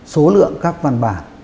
số lượng các văn bản